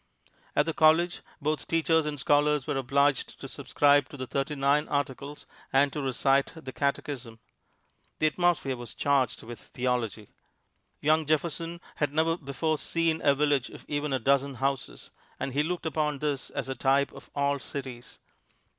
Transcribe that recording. At the college, both teachers and scholars were obliged to subscribe to the Thirty nine Articles and to recite the Catechism. The atmosphere was charged with theology. Young Jefferson had never before seen a village of even a dozen houses, and he looked upon this as a type of all cities.